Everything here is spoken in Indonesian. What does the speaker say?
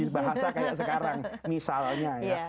bahasa kayak sekarang misalnya ya